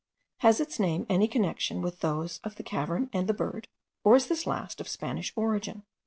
Has its name any connexion with those of the cavern and the bird? or is this last of Spanish origin?